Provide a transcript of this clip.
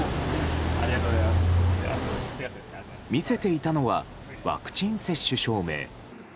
見せていたのはワクチン接種証明。